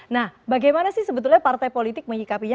nah bagaimana sih sebetulnya partai politik menyikapinya